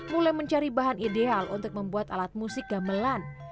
mulai mencari bahan ideal untuk membuat alat musik gamelan